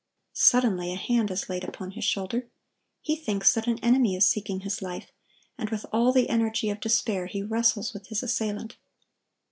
Suddenly a hand is laid upon his shoulder. He thinks that an enemy is seeking his life, and with all the energy of despair he wrestles with his assailant.